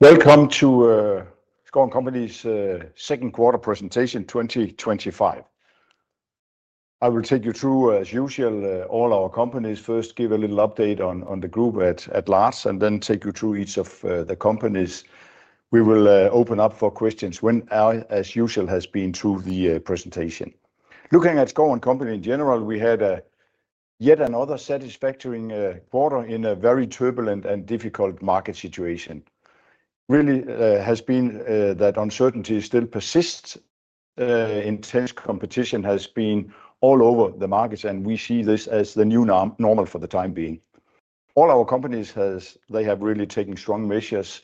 Welcome to Schouw & Co. Second Quarter Presentation 2025. I will take you through, as usual, all our companies. First, give a little update on the group at LAS, and then take you through each of the companies. We will open up for questions when, as usual, has been through the presentation. Looking at Schouw & Co. in general, we had yet another satisfactory quarter in a very turbulent and difficult market situation. Really, it has been that uncertainty still persists. Intense competition has been all over the markets, and we see this as the new normal for the time being. All our companies, they have really taken strong measures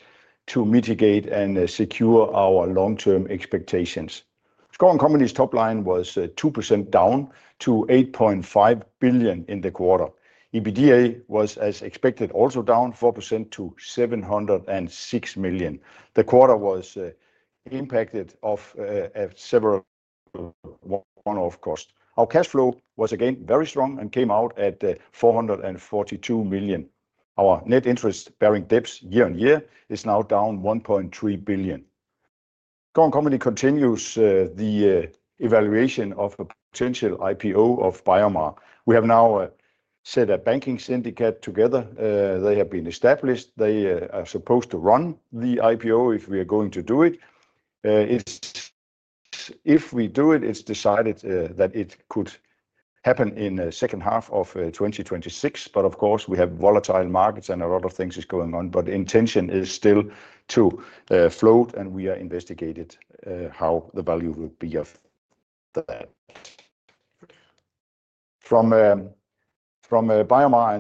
to mitigate and secure our long-term expectations. Schouw & Co.'s top line was 2% down to 8.5 billion in the quarter. EBITDA was, as expected, also down 4% to 706 million. The quarter was impacted by several one-off costs. Our cash flow was again very strong and came out at 442 million. Our net interest-bearing debt year on year is now down 1.3 billion. Schouw & Co. continues the evaluation of a potential IPO of BioMar. We have now set a banking syndicate together. They have been established. They are supposed to run the IPO if we are going to do it. If we do it, it's decided that it could happen in the second half of 2026. Of course, we have volatile markets and a lot of things going on. The intention is still to float and we are investigating how the value will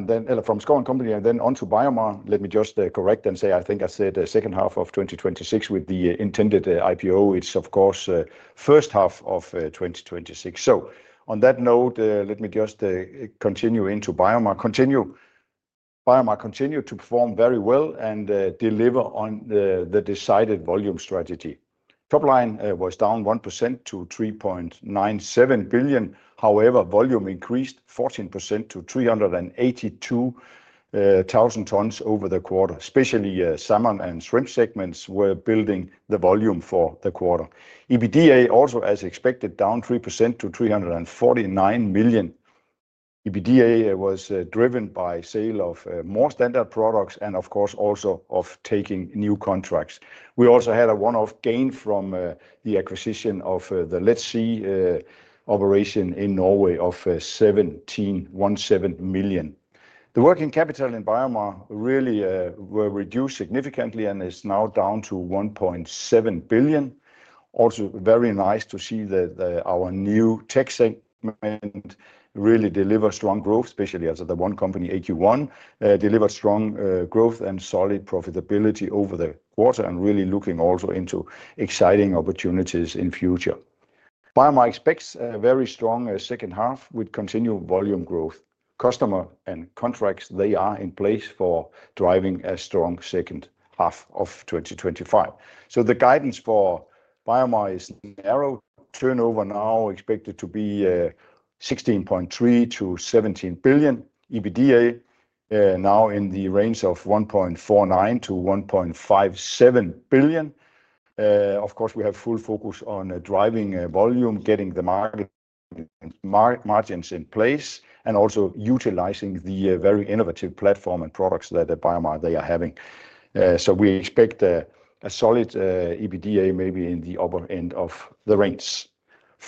be of that. From Schouw & Co. and then on to BioMar, let me just correct and say I think I said the second half of 2026 with the intended IPO. It's of course the first half of 2026. On that note, let me just continue into BioMar. BioMar continued to perform very well and deliver on the decided volume strategy. Top line was down 1% to 3.97 billion. However, volume increased 14% to 382,000 tons over the quarter. Especially salmon and shrimp segments were building the volume for the quarter. EBITDA also, as expected, down 3% to 349 million. EBITDA was driven by the sale of more standard products and of course also of taking new contracts. We also had a one-off gain from the acquisition of the LetSea operation in Norway of 17.17 million. The working capital in BioMar really was reduced significantly and is now down to 1.7 billion. Also, very nice to see that our new tech segment really delivers strong growth, especially as the one company, [AG1], delivers strong growth and solid profitability over the quarter and really looking also into exciting opportunities in the future. BioMar expects a very strong second half with continued volume growth. Customer and contracts, they are in place for driving a strong second half of 2025. The guidance for BioMar is narrow. Turnover now expected to be 16.3 billion-17 billion. EBITDA now in the range of 1.49 billion-1.57 billion. Of course, we have full focus on driving volume, getting the margins in place, and also utilizing the very innovative platform and products that BioMar is having. We expect a solid EBITDA maybe in the upper end of the range.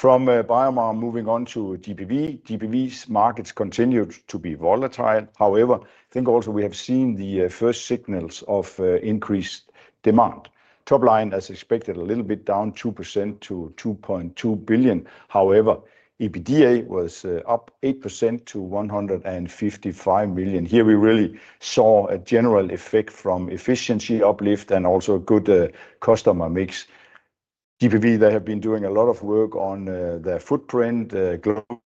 From BioMar moving on to GPV, GPV's markets continue to be volatile. However, I think also we have seen the first signals of increased demand. Top line, as expected, a little bit down 2% to 2.2 billion. However, EBITDA was up 8% to 155 million. Here we really saw a general effect from efficiency uplift and also a good customer mix. GPV, they have been doing a lot of work on their footprint, global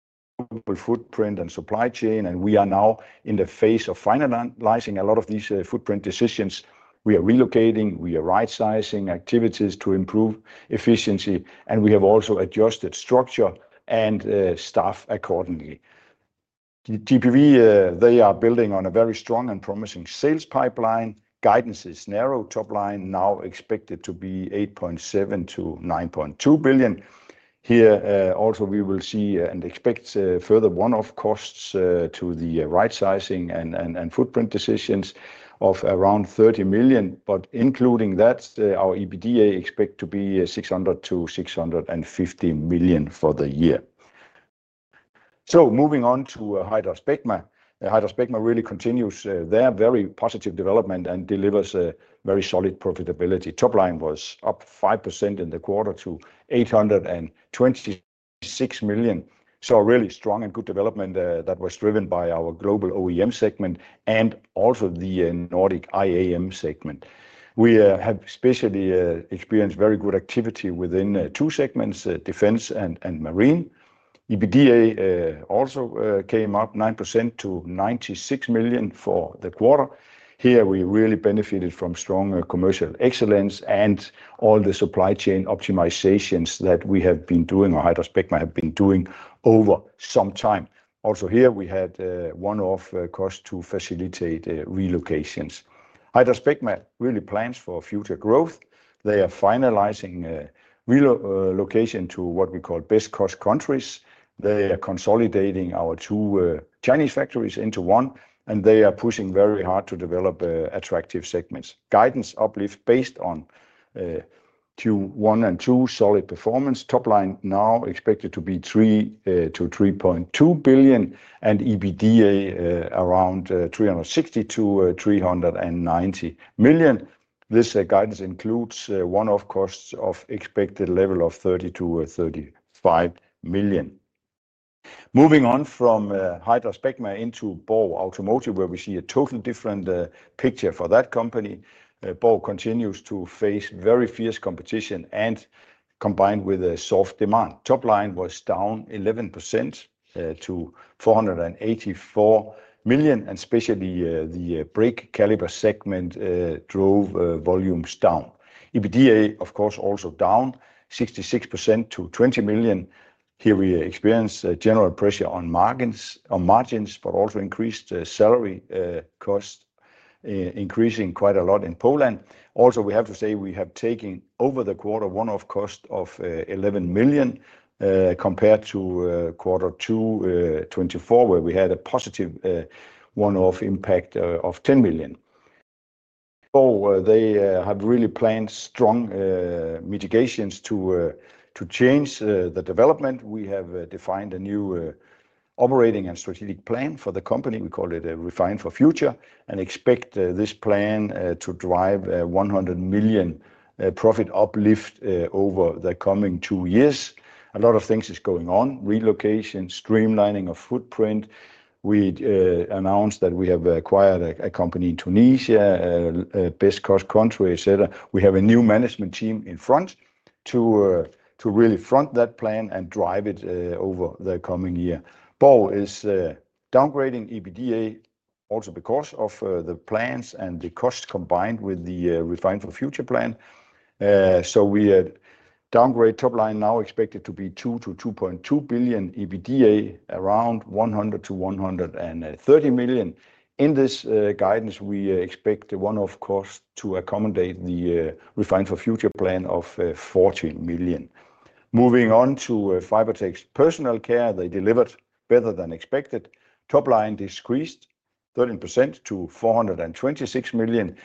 footprint and supply chain, and we are now in the phase of finalizing a lot of these footprint decisions. We are relocating, we are right-sizing activities to improve efficiency, and we have also adjusted structure and staff accordingly. GPV, they are building on a very strong and promising sales pipeline. Guidance is narrow. Top line now expected to be 8.7 billion-9.2 billion. Here also we will see and expect further one-off costs to the right-sizing and footprint decisions of around 30 million. Including that, our EBITDA expects to be 600 million-650 million for the year. Moving on to HydraSpecma. HydraSpecma really continues their very positive development and delivers very solid profitability. Top line was up 5% in the quarter to 826 million. A really strong and good development that was driven by our global OEM segment and also the Nordic IAM segment. We have especially experienced very good activity within two segments, defense and marine. EBITDA also came up 9% to 96 million for the quarter. Here we really benefited from strong commercial excellence and all the supply chain optimizations that we have been doing or HydraSpecma have been doing over some time. Also here we had one-off costs to facilitate relocations. HydraSpecma really plans for future growth. They are finalizing relocation to what we call best cost countries. They are consolidating our two Chinese factories into one, and they are pushing very hard to develop attractive segments. Guidance uplift based on Q1 and Q2 solid performance. Top line now expected to be 3 billion-3.2 billion and EBITDA around 362 million-390 million. This guidance includes one-off costs of expected level of 30 million-35 million. Moving on from HydraSpecma into Borg Automotive, where we see a totally different picture for that company. Borg continues to face very fierce competition and combined with a soft demand. Top line was down 11% to 484 million and especially the brake caliper segment drove volumes down. EBITDA of course also down 66% to 20 million. Here we experienced general pressure on margins but also increased salary costs, increasing quite a lot in Poland. Also we have to say we have taken over the quarter one-off cost of 11 million compared to quarter two 2024 where we had a positive one-off impact of 10 million. Borg, they have really planned strong mitigations to change the development. We have defined a new operating and strategic plan for the company. We call it Refine for Future and expect this plan to drive 100 million profit uplift over the coming two years. A lot of things are going on: relocation, streamlining of footprint. We announced that we have acquired a company in Tunisia, a best cost country, etc. We have a new management team in front to really front that plan and drive it over the coming year. Borg is downgrading EBITDA also because of the plans and the costs combined with the Refine for Future plan. We downgrade top line now expected to be 2 billion-2.2 billion, EBITDA around 100 million-130 million. In this guidance, we expect the one-off costs to accommodate the Refine for Future plan of 40 million. Moving on to Fibertex Personal Care, they delivered better than expected. Top line decreased 13% to 426 million.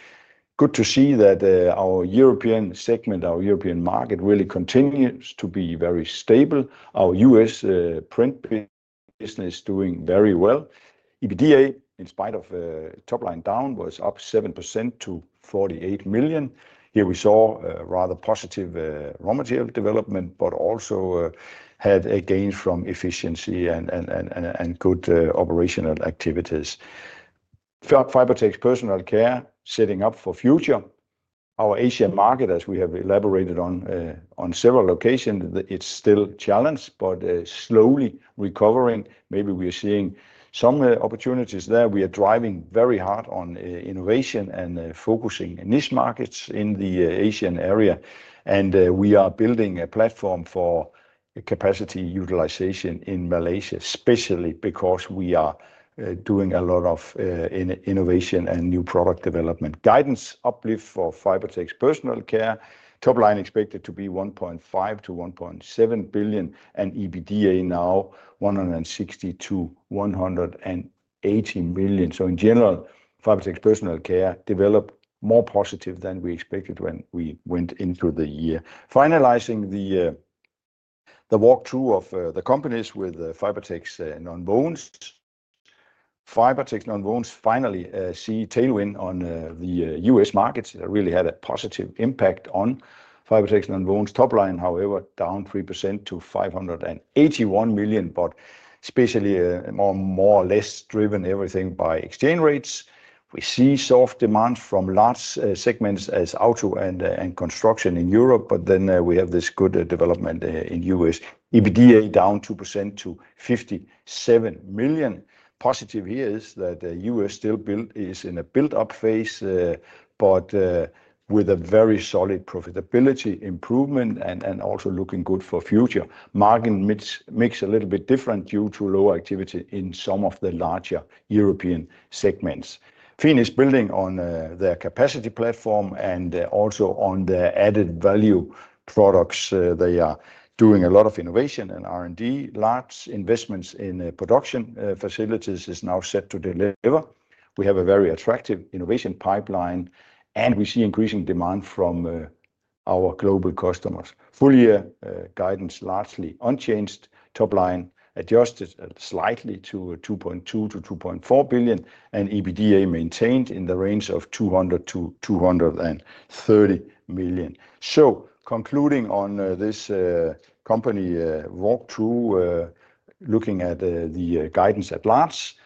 Good to see that our European segment, our European market really continues to be very stable. Our U.S. print business is doing very well. EBITDA in spite of top line down was up 7% to 48 million. Here we saw rather positive raw material development but also had gains from efficiency and good operational activities. Fibertex Personal Care setting up for future. Our Asian market, as we have elaborated on several occasions, it's still challenged but slowly recovering. Maybe we are seeing some opportunities there. We are driving very hard on innovation and focusing in these markets in the Asian area. We are building a platform for capacity utilization in Malaysia, especially because we are doing a lot of innovation and new product development. Guidance uplift for Fibertex Personal Care, top line expected to be 1.5 billion-1.7 billion and EBITDA now 160 million-180 million. In general, Fibertex Personal Care developed more positively than we expected when we went into the year. Finalizing the walkthrough of the companies with Fibertex Nonwovens. Fibertex Nonwovens finally see tailwind on the U.S. markets. It really had a positive impact on Fibertex Nonwovens. Top line, however, down 3% to 581 million, more or less driven entirely by exchange rates. We see soft demand from large segments such as auto and construction in Europe. We have this good development in the U.S. EBITDA down 2% to 57 million. Positive here is that the U.S. still is in a build-up phase, but with a very solid profitability improvement and also looking good for the future. Margin mix is a little bit different due to lower activity in some of the larger European segments. FiN is building on their capacity platform and also on their added value products. They are doing a lot of innovation and R&D. Large investments in production facilities are now set to deliver. We have a very attractive innovation pipeline and we see increasing demand from our global customers. Full year guidance largely unchanged. Top line adjusted slightly to 2.2 billion-2.4 billion and EBITDA maintained in the range of 200 million-230 million. Concluding on this company walkthrough, looking at the guidance at large,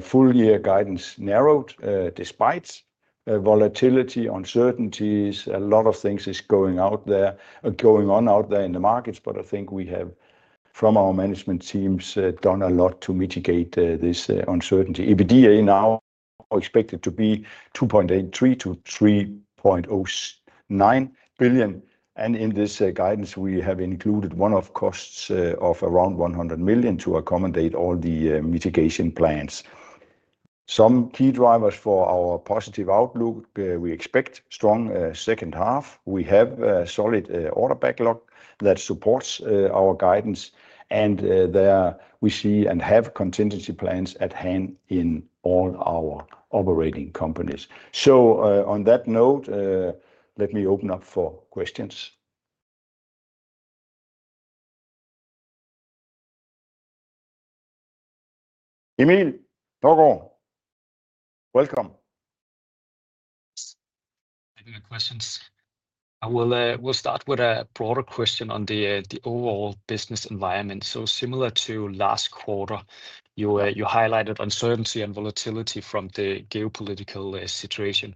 full year guidance narrowed despite volatility and uncertainties. A lot of things are going on out there in the markets, but I think we have from our management teams done a lot to mitigate this uncertainty. EBITDA now expected to be 2.83 billion-3.09 billion and in this guidance we have included one-off costs of around 100 million to accommodate all the mitigation plans. Some key drivers for our positive outlook, we expect strong second half. We have a solid order backlog that supports our guidance and we have contingency plans at hand in all our operating companies. On that note, let me open up for questions. Emil, welcome. I have questions. I will start with a broader question on the overall business environment. Similar to last quarter, you highlighted uncertainty and volatility from the geopolitical situation.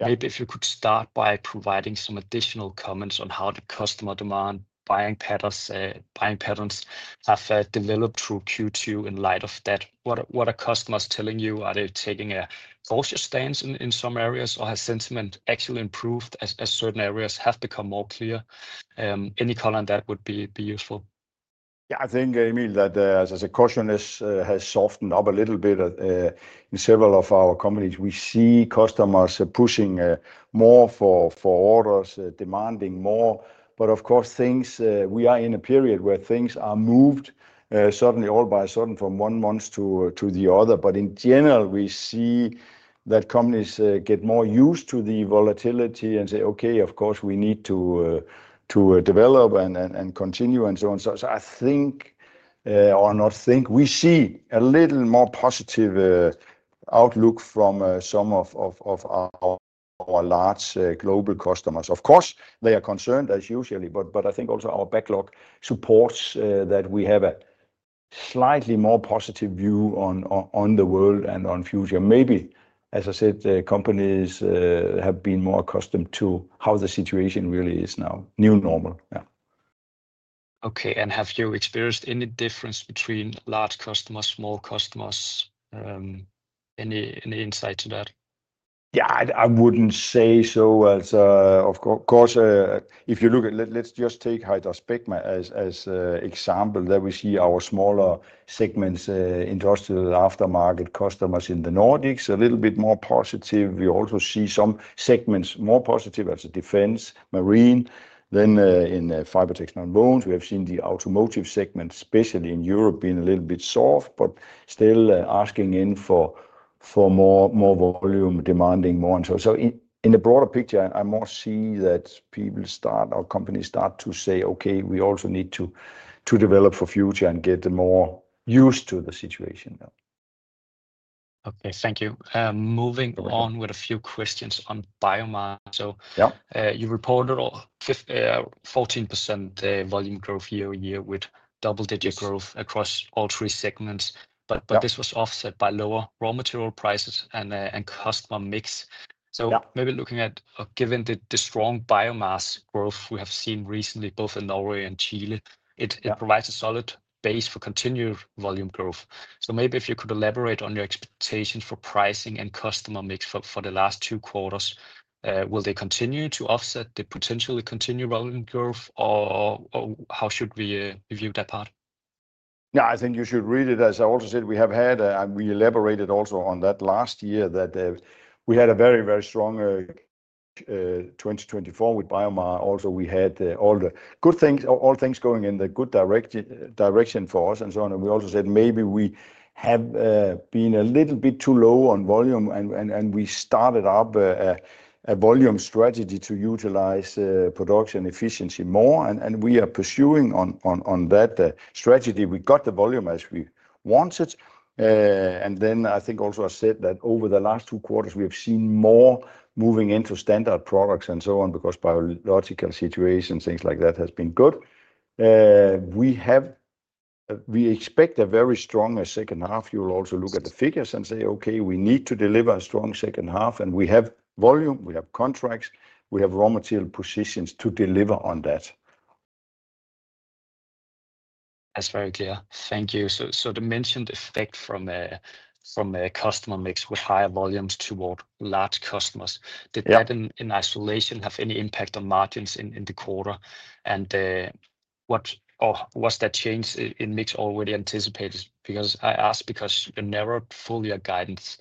Maybe if you could start by providing some additional comments on how the customer demand, buying patterns have developed through Q2 in light of that. What are customers telling you? Are they taking a cautious stance in some areas, or has sentiment actually improved as certain areas have become more clear? Any comment on that would be useful. Yeah, I think, Emil, that as a caution has softened up a little bit in several of our companies. We see customers pushing more for orders, demanding more. Of course, we are in a period where things are moved suddenly, all of a sudden, from one month to the other. In general, we see that companies get more used to the volatility and say, "Okay, of course we need to develop and continue and so on." I think, or not think, we see a little more positive outlook from some of our large global customers. Of course, they are concerned as usual, but I think also our backlog supports that we have a slightly more positive view on the world and on the future. Maybe, as I said, companies have been more accustomed to how the situation really is now, new normal. Okay, have you experienced any difference between large customers, small customers? Any insight to that? Yeah, I wouldn't say so. Of course, if you look at, let's just take HydraSpecma as an example. There we see our smaller segments, industrial aftermarket customers in the Nordics, a little bit more positive. We also see some segments more positive as defense, marine. Then in Fibertex Nonwovens, we have seen the automotive segment, especially in Europe, being a little bit soft, but still asking in for more volume, demanding more and so. In the broader picture, I more see that people start, or companies start to say, "Okay, we also need to develop for the future and get more used to the situation. Okay, thank you. Moving on with a few questions on BioMar. You reported 14% volume growth year-on-year with double-digit growth across all three segments. This was offset by lower raw material prices and customer mix. Given the strong BioMar growth we have seen recently, both in Norway and Chile, it provides a solid base for continued volume growth. If you could elaborate on your expectations for pricing and customer mix for the last two quarters, will they continue to offset the potential to continue volume growth, or how should we view that part? No, I think you should read it. As I also said, we have had, and we elaborated also on that last year, that we had a very, very strong 2024 with BioMar. Also, we had all the good things, all things going in the good direction for us and so on. We also said maybe we have been a little bit too low on volume, and we started up a volume strategy to utilize production efficiency more. We are pursuing that strategy. We got the volume as we wanted. I think also I said that over the last two quarters we have seen more moving into standard products and so on because biological situations, things like that, have been good. We expect a very strong second half. You will also look at the figures and say, "Okay, we need to deliver a strong second half, and we have volume, we have contracts, we have raw material positions to deliver on that. That's very clear. Thank you. The mentioned effect from a customer mix with higher volumes toward large customers, did that in isolation have any impact on margins in the quarter? Was that change in mix already anticipated? I ask because your narrowed full-year guidance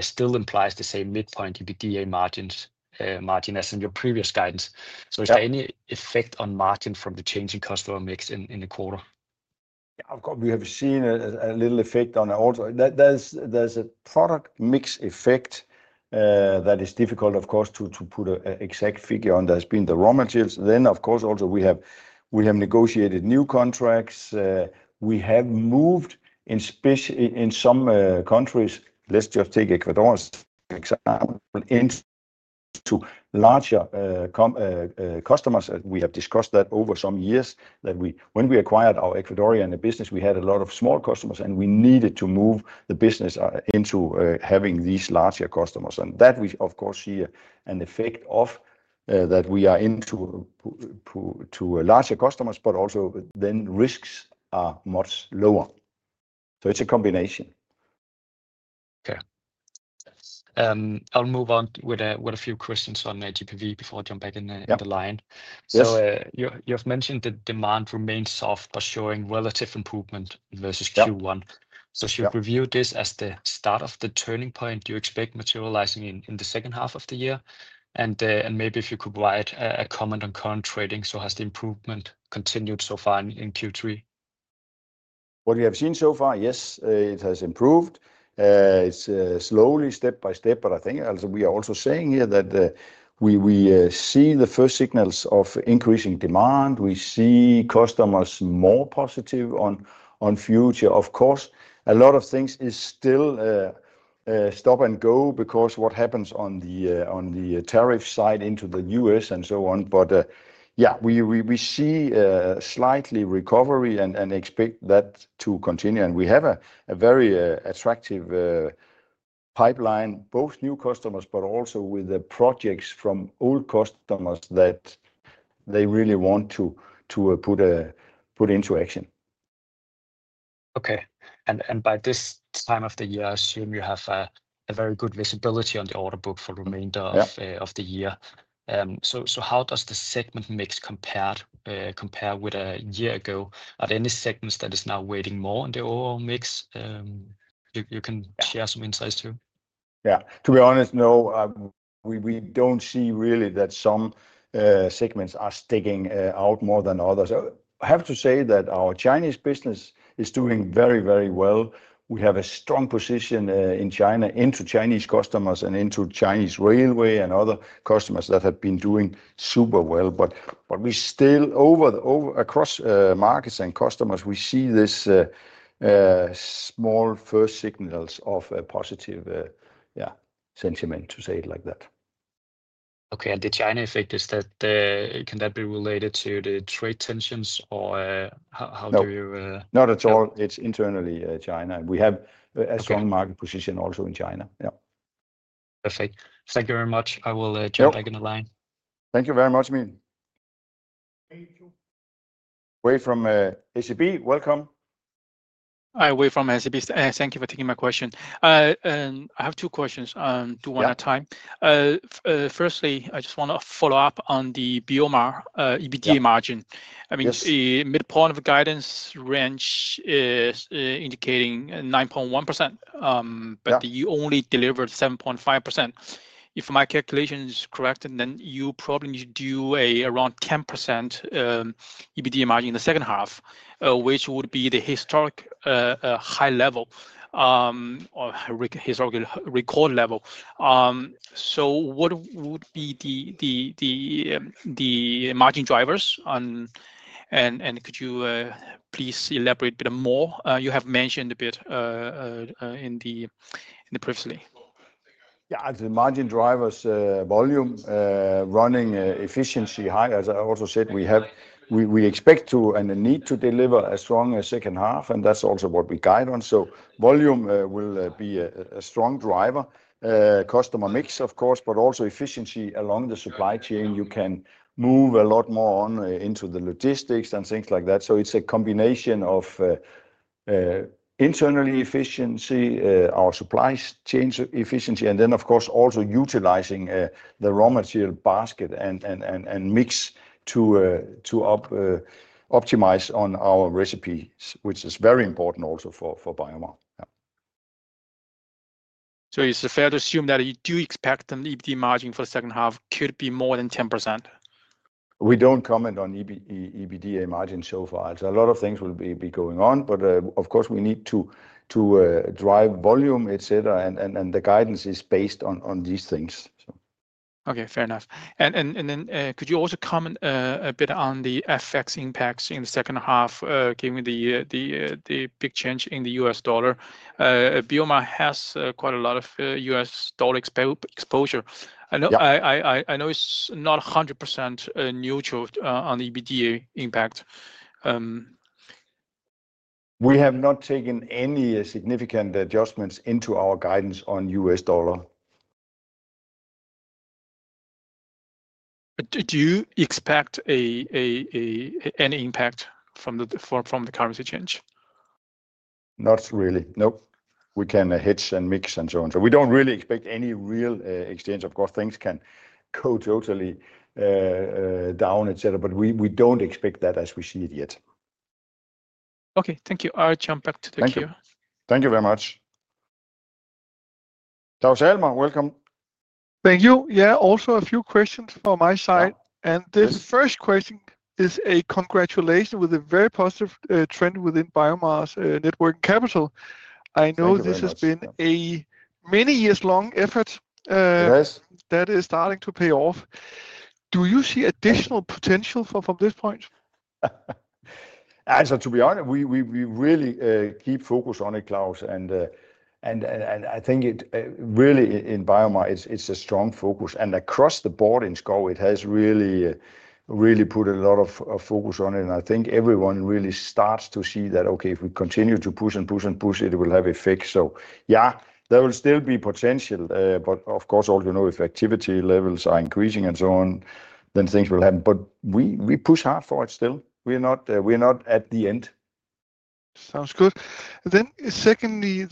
still implies the same midpoint EBITDA margin as in your previous guidance. Is there any effect on margin from the changing customer mix in the quarter? Of course we have seen a little effect on it. Also, there's a product mix effect that is difficult, of course, to put an exact figure on. There's been the raw materials. Of course, also we have negotiated new contracts. We have moved in some countries. Let's just take Ecuador as an example. Into larger customers, we have discussed that over some years that when we acquired our Ecuadorian business, we had a lot of small customers and we needed to move the business into having these larger customers. We, of course, see an effect of that we are into larger customers, but also then risks are much lower. It's a combination. Okay. I'll move on with a few questions on major GPV before I jump back in the line. You've mentioned that demand remains soft but showing relative improvement versus Q1. Should we view this as the start of the turning point you expect materializing in the second half of the year? Maybe if you could provide a comment on current trading, has the improvement continued so far in Q3? What we have seen so far, yes, it has improved. It's slowly, step by step, but I think we are also saying here that we see the first signals of increasing demand. We see customers more positive on future. Of course, a lot of things are still stop and go because what happens on the tariff side into the U.S. and so on. Yeah, we see a slight recovery and expect that to continue. We have a very attractive pipeline, both new customers but also with the projects from old customers that they really want to put into action. Okay. By this time of the year, I assume you have very good visibility on the order book for the remainder of the year. How does the segment mix compare with a year ago? Are there any segments that are now weighting more in the overall mix? You can share some insights too. To be honest, no, we don't see really that some segments are sticking out more than others. I have to say that our Chinese business is doing very, very well. We have a strong position in China into Chinese customers and into Chinese railway and other customers that have been doing super well. We still, over the across markets and customers, see these small first signals of positive sentiment, to say it like that. Okay. The China effect, can that be related to the trade tensions or how do you... Not at all. It's internally China. We have a strong market position also in China. Perfect. Thank you very much. I will jump back in the line. Thank you very much, Emil. Wei from SEB. Welcome. Hi, Wei from SEB. Thank you for taking my question. I have two questions, do one at a time. Firstly, I just want to follow up on the BioMar EBITDA margin. I mean, the midpoint of the guidance range is indicating 9.1%, but you only delivered 7.5%. If my calculation is correct, then you probably need to do around 10% EBITDA margin in the second half, which would be the historic high level or historically record level. What would be the margin drivers? Could you please elaborate a bit more? You have mentioned a bit in the previously. Yeah, the margin drivers, volume, running efficiency high. As I also said, we expect to and need to deliver a strong second half, and that's also what we guide on. Volume will be a strong driver, customer mix, of course, but also efficiency along the supply chain. You can move a lot more on into the logistics and things like that. It's a combination of internal efficiency, our supply chain efficiency, and then, of course, also utilizing the raw material basket and mix to optimize on our recipe, which is very important also for BioMar. Is it fair to assume that you do expect an EBITDA margin for the second half could be more than 10%? We don't comment on EBITDA margin so far. A lot of things will be going on, but of course we need to drive volume, etc., and the guidance is based on these things. Okay, fair enough. Could you also comment a bit on the FX impacts in the second half, given the big change in the U.S. dollar? BioMar has quite a lot of U.S. dollar exposure. I know it's not 100% neutral on the EBITDA impact. We have not taken any significant adjustments into our guidance on U.S. dollar. Do you expect any impact from the currency change? Not really, no. We can hedge and mix and so on. We don't really expect any real exchange. Of course, things can go totally down, etc., but we don't expect that as we see it yet. Okay, thank you. I'll jump back to the queue. Thank you very much. Claus Almer, welcome. Thank you. Yeah, also a few questions from my side. The first question is a congratulation with a very positive trend within BioMar's working capital. I know this has been a many years-long effort that is starting to pay off. Do you see additional potential from this point? To be honest, we really keep focus on it, Claus. I think really in BioMar, it's a strong focus. Across the board in Schouw, it has really put a lot of focus on it. I think everyone really starts to see that, okay, if we continue to push and push and push, it will have effects. There will still be potential. Of course, all you know, if activity levels are increasing and so on, then things will happen. We push hard for it still. We're not at the end. Sounds good. Secondly,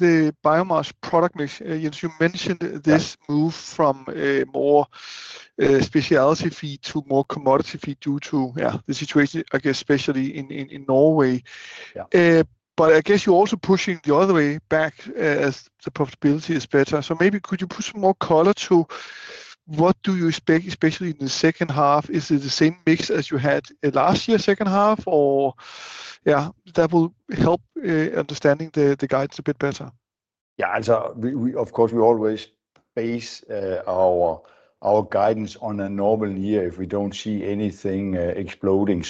BioMar's product mix, you mentioned this move from a more specialty feed to more commodity feed due to the situation, especially in Norway. I guess you're also pushing the other way back as the profitability is better. Could you put some more color to what you expect, especially in the second half? Is it the same mix as you had last year's second half? That will help understanding the guidance a bit better. Of course, we always base our guidance on a normal year if we don't see anything exploding.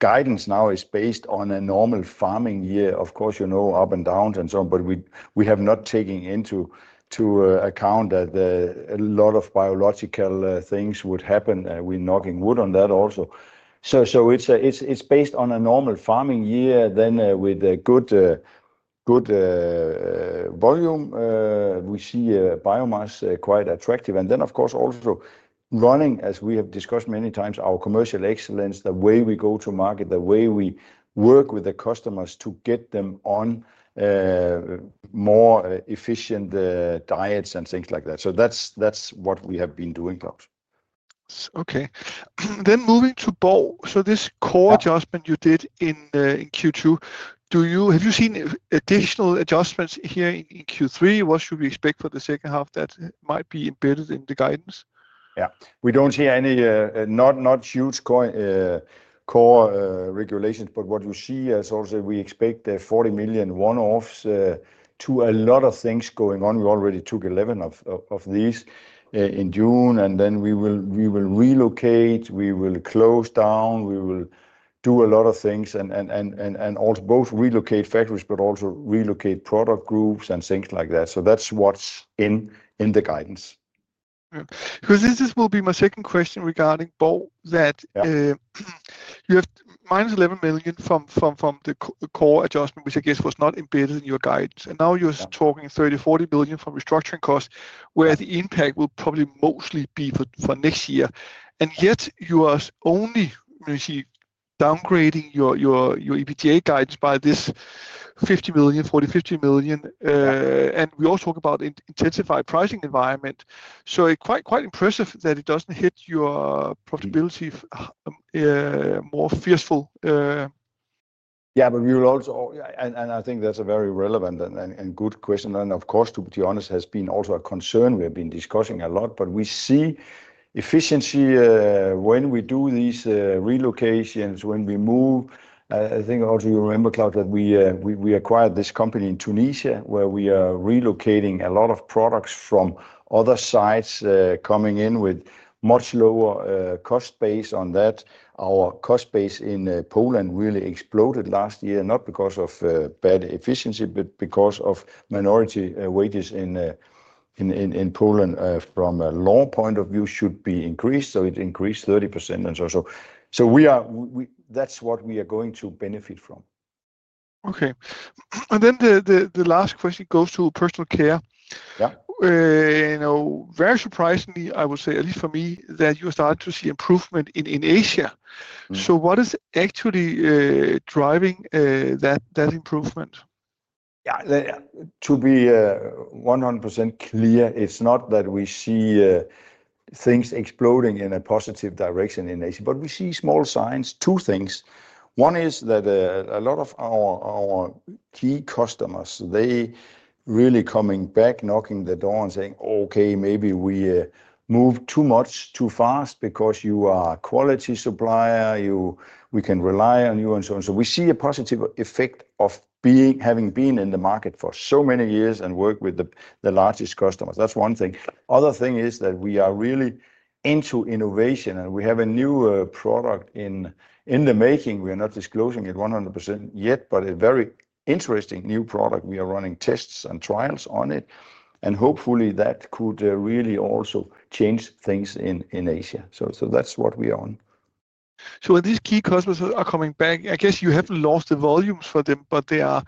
Guidance now is based on a normal farming year. Of course, you know, up and downs and so on. We have not taken into account that a lot of biological things would happen. We're knocking wood on that also. It's based on a normal farming year. With good volume, we see BioMar is quite attractive. Of course, also running, as we have discussed many times, our commercial excellence, the way we go to market, the way we work with the customers to get them on more efficient diets and things like that. That's what we have been doing, Claus. Okay. Moving to Borg Automotive, this core adjustment you did in Q2, have you seen additional adjustments here in Q3? What should we expect for the second half that might be embedded in the guidance? Yeah, we don't see any not huge core regulations, but what you see is also we expect 40 million one-offs to a lot of things going on. We already took 11 million of these in June. We will relocate, we will close down, we will do a lot of things and also both relocate factories, but also relocate product groups and things like that. That's what's in the guidance. Because this will be my second question regarding Borg, that you have minus 11 million from the core adjustment, which I guess was not embedded in your guidance. You are now talking 30, 40 million from restructuring costs, where the impact will probably mostly be for next year. Yet you are only, you see, downgrading your EBITDA guidance by this 40, 50 million. We also talk about an intensified pricing environment. It is quite impressive that it doesn't hit your profitability more fiercely. Yeah, we will also, and I think that's a very relevant and good question. Of course, to be honest, it has been a concern we have been discussing a lot. We see efficiency when we do these relocations, when we move. I think you remember, Claus, that we acquired this company in Tunisia, where we are relocating a lot of products from other sites, coming in with a much lower cost base on that. Our cost base in Poland really exploded last year, not because of bad efficiency, but because minimum wages in Poland from a law point of view should be increased. It increased 30%. We are, that's what we are going to benefit from. Okay. The last question goes to Personal Care. Yeah, you know, very surprisingly, I would say, at least for me, that you started to see improvement in Asia. What is actually driving that improvement? Yeah, to be 100% clear, it's not that we see things exploding in a positive direction in Asia, but we see small signs, two things. One is that a lot of our key customers, they really are coming back, knocking the door and saying, "Okay, maybe we moved too much, too fast because you are a quality supplier, we can rely on you," and so on. We see a positive effect of having been in the market for so many years and work with the largest customers. That's one thing. The other thing is that we are really into innovation and we have a new product in the making. We are not disclosing it 100% yet, but a very interesting new product. We are running tests and trials on it. Hopefully that could really also change things in Asia. That's what we are on. Are these key customers coming back? I guess you haven't lost the volumes for them, but they are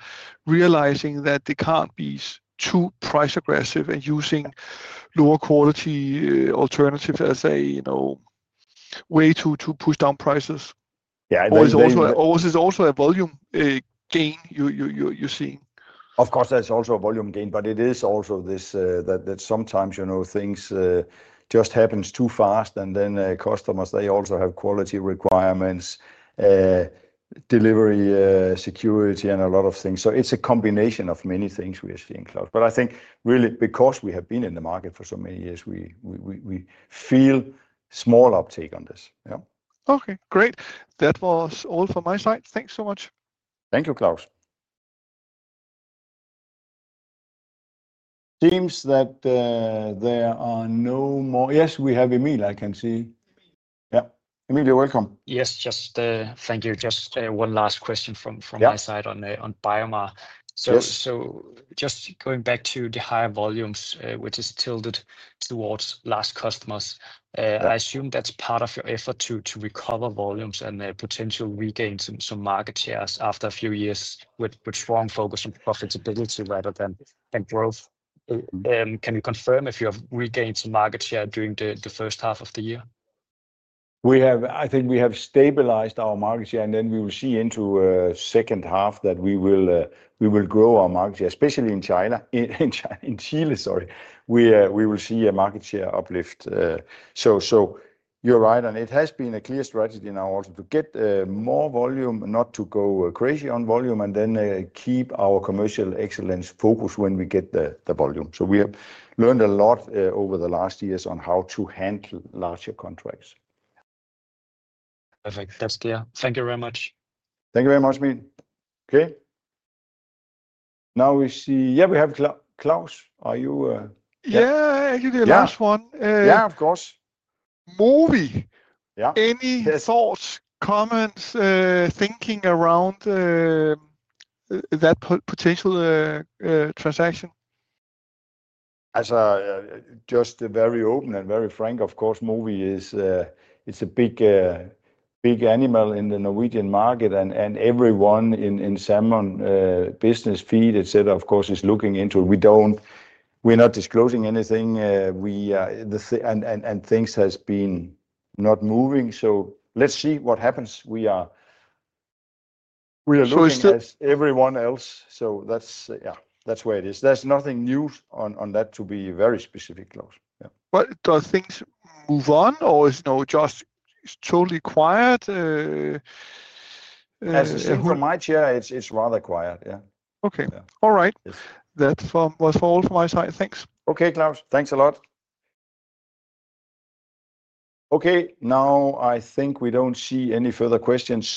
realizing that they can't be too price aggressive and using lower quality alternatives as a way to push down prices. I think. Is it also a volume gain you're seeing? Of course, that's also a volume gain, but it is also this that sometimes, you know, things just happen too fast, and then customers, they also have quality requirements, delivery security, and a lot of things. It is a combination of many things we are seeing, Claus. I think really because we have been in the market for so many years, we feel a small uptake on this. Yeah. Okay, great. That was all from my side. Thanks so much. Thank you, Claus. It seems that there are no more. Yes, we have Emil, I can see. Emil, you're welcome. Yes, thank you. Just one last question from my side on BioMar. Just going back to the higher volumes, which is tilted towards large customers, I assume that's part of your effort to recover volumes and potentially regain some market shares after a few years with strong focus on profitability rather than growth. Can you confirm if you have regained some market share during the first half of the year? We have, I think we have stabilized our market share, and we will see into the second half that we will grow our market share, especially in Chile. We will see a market share uplift. You're right, and it has been a clear strategy now also to get more volume, not to go crazy on volume, and then keep our commercial excellence focused when we get the volume. We have learned a lot over the last years on how to handle larger contracts. Perfect. That's clear. Thank you very much. Thank you very much, Emil. Okay. Now we see, yeah, we have Claus. Are you? Yeah, I give you the last one. Yeah, of course. Mowi. Any thoughts, comments, thinking around that potential transaction? Also just very open and very frank, of course, Mowi is a big animal in the Norwegian market and everyone in salmon business, feed, etc., of course, is looking into it. We're not disclosing anything. We are the thing and things have been not moving. Let's see what happens. We are looking at everyone else. That's where it is. There's nothing new on that to be very specific, Claus. Do things move on or is it just totally quiet? From my chair, it's rather quiet. Yeah. Okay. All right. That was all from my side. Thanks. Okay, Claus. Thanks a lot. I think we don't see any further questions.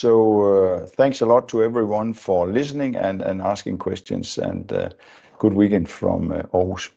Thanks a lot to everyone for listening and asking questions, and good weekend from all of us.